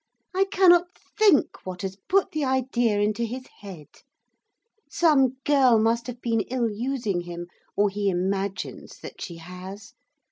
I cannot think what has put the idea into his head. Some girl must have been ill using him, or he imagines that she has.